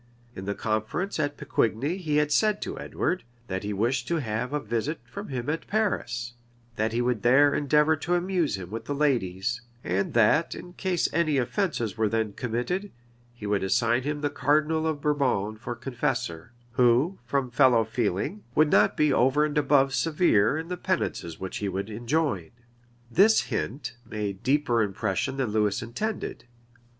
In the conference at Pecquigni he had said to Edward, that he wished to have a visit from him at Paris; that he would there endeavor to amuse him with the ladies; and that, in case any offences were then committed, he would assign him the cardinal of Bourbon for confessor, who, from fellow feeling, would not be over and above severe in the penances which he would enjoin. This hint made deeper impression than Lewis intended.